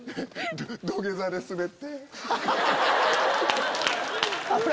土下座でスベって。